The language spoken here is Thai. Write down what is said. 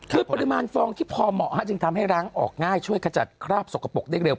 คือปริมาณฟองที่พอเหมาะจึงทำให้ร้างออกง่ายช่วยขจัดคราบสกปรกได้เร็ว